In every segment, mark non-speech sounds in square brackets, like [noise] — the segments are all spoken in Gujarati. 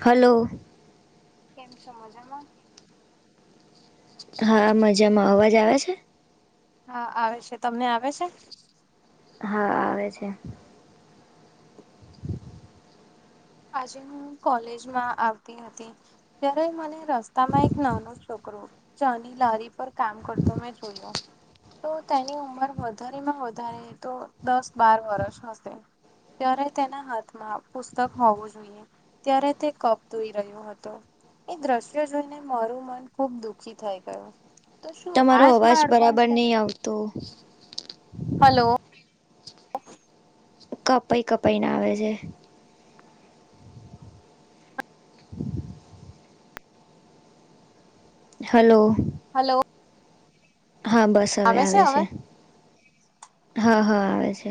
હાલો. કેમ છો મજામાં? હા, મજામાં. અવાજ આવે છે? હા આવે છે. તમને આવે છે? હા આવે છે. આજે હું કોલેજમાં આવતી હતી. ત્યારે મને રસ્તામાં એક નાનું છોકરું ચાની લારી પર કામ કરતો મેં જોયો. તો તેની ઉંમર વધારેમાં વધારે તો દસ બાર વરષ હશે. ત્યારે તેના હાથમાં પુસ્તક હોવું જોઈએ. ત્યારે તે કપ ધોઈ રહ્યો હતો. એ દ્રશ્ય જોઈને મારું મન ખુબ દુઃખી થઈ ગયું. તો શું તમારો આજ અવાજ બાળપણ બરાબર છે? નહીં આવતો હલો. [unintelligible] કપાઈ કપાઈને આવે છે. હલો. હલો. હા, બસ અવે આવે છે. હ હ આવે છે.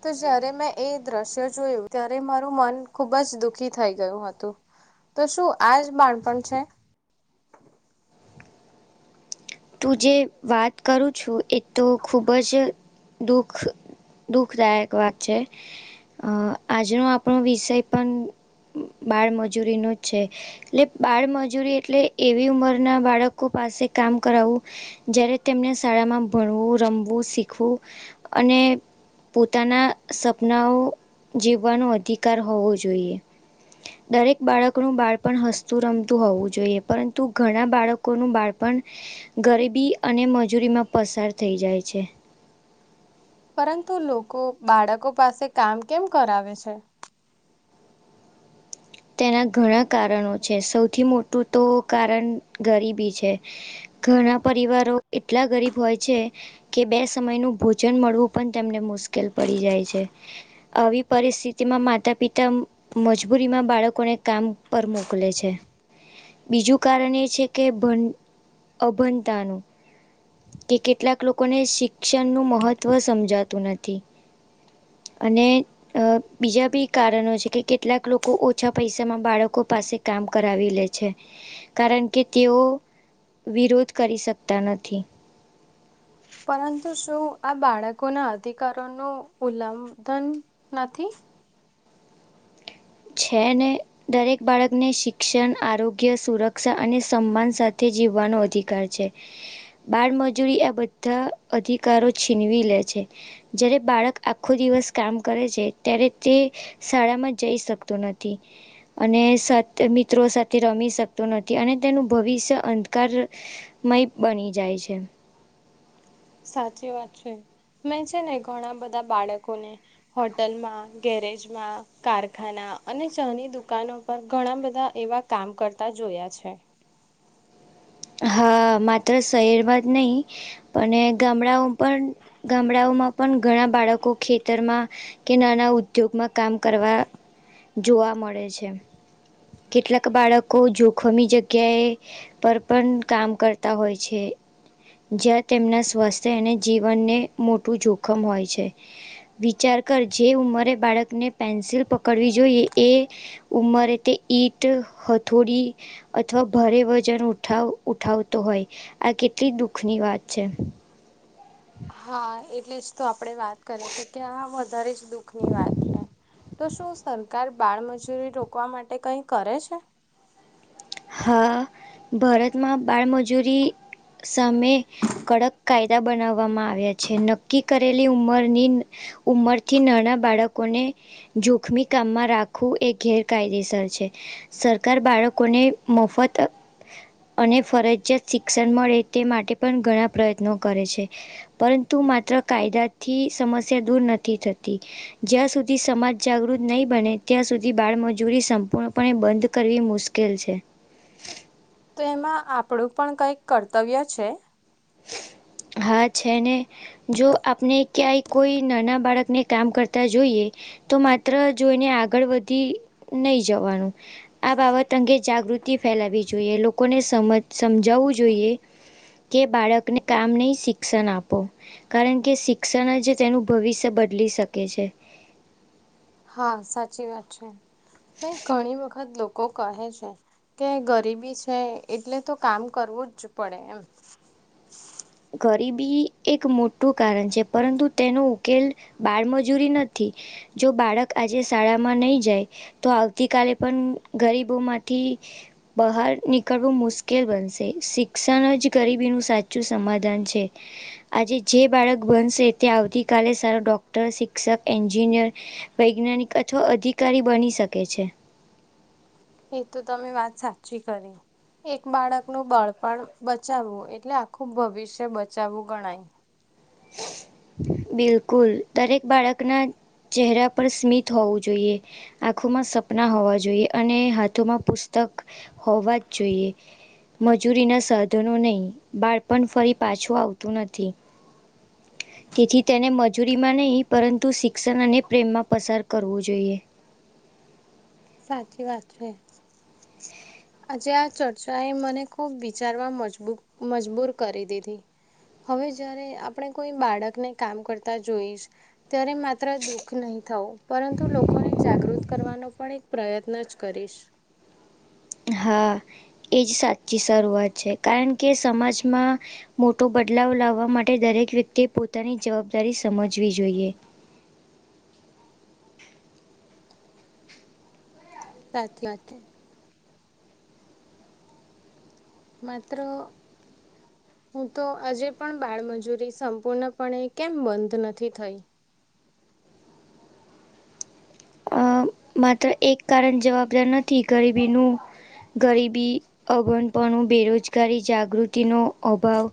તો જયારે મેં એ દ્રશ્ય જોયું ત્યારે મારું મન ખુબ જ દુખી થઈ ગયું હતું. તો શું આજ બાળપણ છે? તું જે વાત કરું છું એ તો ખૂબ જ દુખ દુખદાયક વાત છે અહ આજનો આપણો વિષય પણ બાળમજૂરીનો છે. લે બાળમજૂરી એટલે એવી ઉંમર ના બાળકો પાસે કામ કરાવું જ્યારે તેમને શાળામાં ભણવું રમવું શીખવું અને પોતાના સપનાઓ જીવવાનો અધિકાર હોવો જોઈએ. દરેક બાળકનું બાળપણ હસતું રમતું હોવું જોઈએ પરંતુ ઘણા બાળકોનું બાળપણ ગરીબી અને મજૂરીમાં પસાર થઈ જાય છે. પરંતુ લોકો બાળકો પાસે કામ કેમ કરાવે છે? તેના ઘણા કારણો છે સૌથી મોટું તો કારણ ગરીબી છે. ઘણા પરિવારો એટલા ગરીબ હોય છે કે બે સમયનું ભોજન મળવું પણ તેમને મુશ્કેલ પડી જાય છે. આવી પરિસ્થિતિમાં માતા પિતા મજબૂરીમાં બાળકોને કામ પર મોકલે છે. બીજું કારણ એ છે કે ભં અભંતાનું કે કેટલાક લોકોને શિક્ષણનું મહત્ત્વ સમજાતું નથી. અને અહ બીજા બી કારણો છે કે કેટલાક લોક કો ઓછા પૈસામાં બાળકો પાસે કામ કરાવી લે છે કારણ કે તેઓ વિરોધ કરી શકતા નથી. પરંતુ શું આ બાળકોના અધિકારોનું ઉલ્લંધન નથી? છે ને દરેક બાળકને શિક્ષણ આરોગ્ય સુરક્ષા અને સન્માન સાથે જીવવાનો અધિકાર છે. બાળમજૂરી આ બધા અધિકારો છીનવી લે છે. જયારે બાળક આખો દિવસ કામ કરે છે ત્યારે તે શાળામાં જઈ શક તું નથી. અને સાથે મિત્રો સાથે રમી શકતો નથી અને તેનું ભવિષ્ય અંધકાર મય બની જાય છે. સાચી વાત છે. મેં છે ને ઘણા બધા બાળકોને હોટલમાં ગેરેજમાં કારખાના અને ચા ની દુકાનો પર ઘણા બધા એવા કામ કરતા જોયા છે. હા, માત્ર શહેર માજ નહી અને ગામડાઓ પણ ગામડાઓમાં પણ ઘણા બાળકો ખેતરમાં કે નાના ઉદ્યોગમાં કામ કરવા જોવા મળે છે. કેટલાક બાળકો જોખમી જગ્યાએ પર પણ કામ કરતા હોય છે. જ્યાં તેમના સ્વાસ્થ્ય અને જીવનને મોટું જોખમ હોય છે. વિચાર કર જે ઉંમરે બાળકને પેન્સિલ પકડવી જોઈએ એ ઉમરે તે ઈટ હથોડી અથવા ભારે વજન ઉ ઠાવ ઉઠાવતો હોય આ કેટલી દુઃખની વાત છે. હા, એટલે જ તો આપડે વાત કરે છે કે આ વધારે જ દુઃખ ની વાત હોય. તો શું સરકાર બાળમજૂરી રોકવા માટે કંઈ કરે છે? હા ભારતમાં બાળમજૂરી સામે કડક કાયદા બનાવવામાં આવ્યા છે નક્કી કરેલી ઉંમરની ઉમરથી નાના બાળકોને જોખમી કામમાં રાખવું એ ગેરકાયદેસર છે. સરકાર બાળકોને મફત અને ફરજિયાત શિક્ષણ મળે તે માટે પણ ઘણા પ્રયત્નો કરે છે. પરંતુ માત્ર કાયદાથી સમસ્યા દૂર નથી થતી. જ્યાં સુધી સમાજ જાગૃત નહીં બને ત્યાં સુધી બાળમજૂરી સંપૂર્ણપણે બંધ કરવી મુશ્ક કીલ છે. તો એમાં આપડું પણ કંઈક કર્તવ્ય છે? હા છે ને જો આપને ક્યાંય કોઈ નાના બાળકને કામ કરતા જોઈએ તો માત્ર જોઈને આગળ વધી નહી જવાનું આ બાબત અંગે જાગૃતિ ફેલાવવી જોઈએ લોકોને સમજ સમજાવવું જોઈએ કે બાળકને કામ નહી શિક્ષણ આપો. કારણ કે શિક્ષણ જ તેનું ભવિષ્ય બદલી શકે છે. હા, સાચી વાત છે. હું ઘણી વખત લોકો કહે છે કે ગરીબી છે એટલે તો કામ કરવું જ પડે એમ. ગરીબી એક મોટું કારણ છે પરંતુ તેનો ઉકેલ બાળમજૂરી નથી જે બાળક આજે શાળામાં નહી જાય તો આવતીકાલે પણ ગરીબો માંથી બહાર નીકળવું મુશ્કેલ બનશે શિક્ષણ જ ગરીબીનું સાચું સમાધાન છે. આજે જે બાળક બનશે તે આવતીકાલે સારા ડોક્ટર, શિક્ષક, એન્જિનિયર વૈજ્ઞાનિક અથવા અધિકારી બની શકે છે. એ તો તમે વાત સાચી કરી. એક બાળકનું બાળપણ બચાવવું એટલે આખું ભવિષ્ય બચાવવું ગણાય બિલકુલ દરેક બાળકના ચહેરા પર સ્મિત હોવું જોઈએ. આંખોમાં સપના હોવા જોઈએ અને હાથોમાં પુસ્તક હોવા જ જોઈએ. મંજૂરીના સાધનો નહીં બાળપણ ફરી પાછું આવતું નથી. તેથી તેને મજૂરીમાં નહીં પરંતુ શિક્ષણ અને પ્રેમમાં પસાર કરવું જોઈએ. સાચી વાત છે. આજે આ ચર્ચા એ મને ખૂબ વિચારવા મજબૂ મજબૂર કરી દીધી. હવે જ્યારે આપણે કોઈ બાળકને કામ કરતા જોઈશ ત્યારે માત્ર દુઃખ નહીં થવું. પરંતુ લોકોને જાગૃત કરવાનો પણ એક પ્રયત્ન જ કરીશ. હા એ જ સાચી શરૂઆત છે કારણ કે સમાજમાં મોટો બદલાવ લાવવા માટે દરેક વ્યક્તિએ પોતાની જવાબદારી સમજવી જોઈએ. સાચી વાત માત્ર હું તો આજે પણ બાળમજૂરી સંપૂર્ણપણે કેમ બંધ નથી થઈ અ માત્ર એક કારણ જવાબદાર નથી ગરીબીનું ગરીબી અગવનપણું બેરોજગારી જાગૃતિ નો અભાવ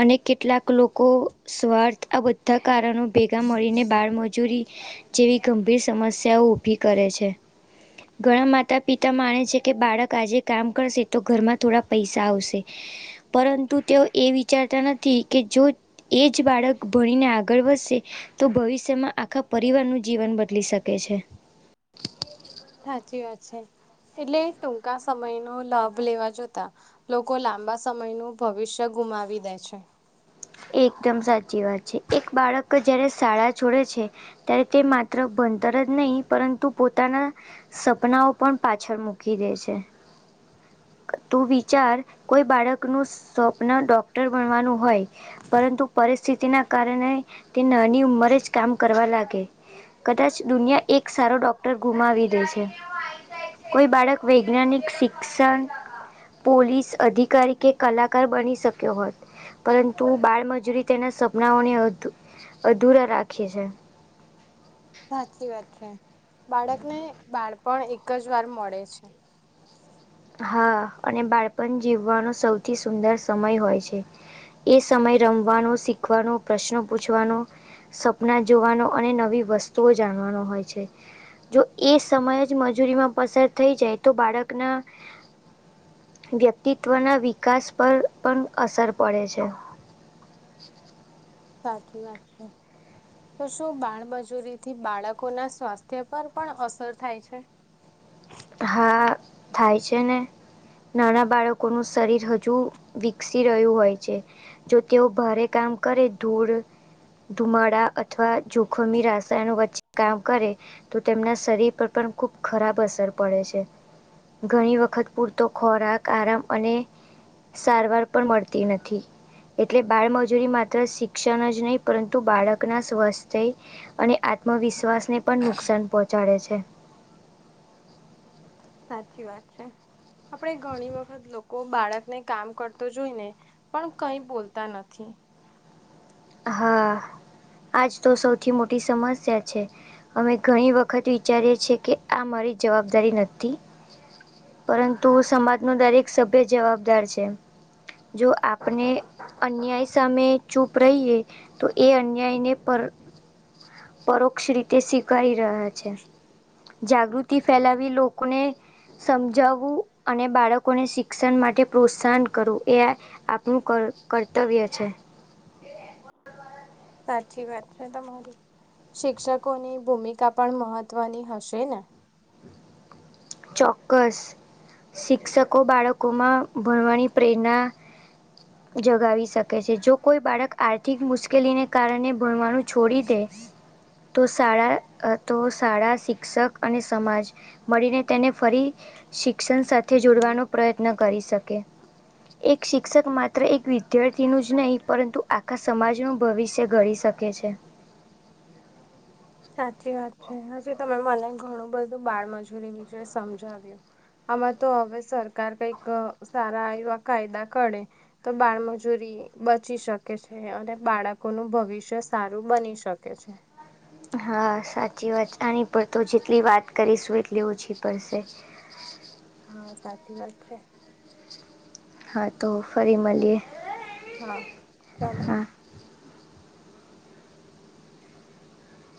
અને કેટલાક લોકો સ્વાર્થ આ બધા કારણો ભેગા મળીને બાળમજૂરી જેવી ગંભીર સમસ્યાઓ ઊભી કરે છે. ઘણા માતા પિતા માને છે કે બાળક આજે કામ કરશે તો ઘરમાં થોડા પૈસા આવશે. પરંતુ તેઓ એ વિચારતા નથી કે જો એ જ બાળક ભણીને આગળ વધશે તો ભવિષ્યમાં આખા પરિવારનું જીવન બદલી શક શકે છે. સાચી વાત છે એટલે ટૂંકા સમયનો લાભ લેવા જોતા લોકો લાંબા સમયનું ભવિષ્ય ગુમાવી દે છે. એકદમ સાચી વાત છે એક બાળક જ્યારે શાળા છોડે છે. ત્યારે તે માત્ર ભણતર જ નહીં પરંતુ પોતાના સપનાઓ પણ પાછળ મૂકી દે છે. તું વિચાર કોઈ બાળકનું સ્વપ્ન ડોક્ટર બનવાનું હોય પરંતુ પરિસ્થિતિના કારણે તે નાની ઉંમરે જ કામ કરવા લાગે. કદાચ દુનિયા એક સારો ડોક ટર ગુમાવી દે છે કોઈ બાળક વૈજ્ઞાનિક શિક્ષણ પોલીસ અધિકારી કે કલાકાર બની શક્યો હોત પરંતુ બાળમજૂરી તેના સપનાઓને અધુ અધુરા રાખે છે. સાચી વાત છે બાળકને બાળપણ એક જ વાર મળે છે. હા અને બાળપણ જીવવાનો સૌથી સુંદર સમય હોય છે. એ સમય રમવાનો શીખવાનો પ્રશ્નો પૂછવાનો સપના જોવાનો અને નવી વસ્તુઓ જાણવાનો હોય છે. જો એ સમય જ મજૂરીમાં પસાર થઈ જાય તો બાળકના વ્યક્તિત્વના વિકાસ પર પણ અસર પડે છે. સાચી વાત છે. તો શું બાળમજૂરીથી બાળકોના સ્વાસ્થ્ય પર પણ અસર થાય છે. હા થાય છે ને નાના બાળકોનું શરીર હજુ વિકસી રહ્યું હોય છે. જો તેઓ ભારે કામ કરે ધૂળ ધુમાડા અ અથવા જોખમી રાસાયણ વચ્ચે કામ કરે તો તેમના શરીર પર પણ ખુબ ખરાબ અસર પડે છે, ઘાણી વખત પૂરતો ખોરાક, આરામ અને સારવાર પણ મળતી નથી એટલે બાળમજૂરી માત્ર શિક્ષણ જ નહીં પરંતુ બાળકનાં સ્વસ્થ્ય અને આત્મવિશ્વાસને પણ નુકસાન પોચાડે છે. સાચી વાત છે, આપળે ઘણી વખત લો કો બાળક ને કામ કરતું જોયને, પણ કઈ બોલતા નથી. હા, આજ તો સૌથી મોટી સમસ્યા છે. અમે ઘણી વખત વિચારીએ છે કે આ મારી જવાબદારી નથી. પરંતુ સમાજ નો દરેક સભ્ય જવાબદાર છે, જો આપણે અન્યાય સામે ચૂપ રઈએ તો એ અન્યાયને પર પરોક્ષ રીતે સ્વીકારી રહ્યા છે. જાગૃતિ ફેલાવી લોકને સમજાવું અને બાળકોને શિક્ષણ માટે પ્રોત્સાહન કરવું એઆ આપ નું કર કર્તવ્ય છે. સાચી વાત છે તમારી શિક્ષકોની ભૂમિકા પણ મહત્વની હશે ને. ચોક્કસ, શિક્ષકો બાળકોમાં ભણવાની પ્રેણા [inaudible] જગાવી શકે છે, જો કોઈ બાળક આર્થિક મુશ્કેલીને કારણે ભણવાનું છોડી દે તો શાળા અ તો શાળા, શિક્ષક અને સમાજ મળીને તેને ફરી શિક્ષણ સાથે જોડવાનો પ્રયત્ન કરી શકે એક શિક્ષક માત્ર એક વિદ્યાર્થીનું જ નહી, પરંતુ આખા સમાજનું ભવિષ્ય ઘડી શ કે છે. સાચી વાત છે, હજી તમે મને ઘણું બધું બાળમજૂરી વિશે સમજાવ્યું આમાં તો હવે સરકાર કઈક અ સારા એવા કાયદા કાઢે તો બાળમજૂરી બચી શકે છે, અને બાળકોનું ભવિષ્ય સારું બની શકે છે. હા, સાચી વાત આની પર તો જેટલી વાત કરીશું એટલી ઓછી પડશે. હ, સાચી વાત છે. હા, તો ફરી મલીએ. હા, ચાલો.